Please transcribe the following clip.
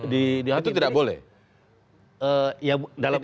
sudah timbul keyakinan di hakim